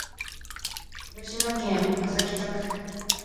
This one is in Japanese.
広島市安佐北区